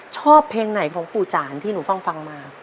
ชอบเพลงไหนของปู่จานที่หนูฟังมา